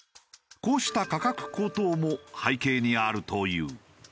こうした価格高騰も背景にあるという。